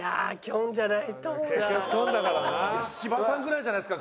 芝さんぐらいじゃないですか？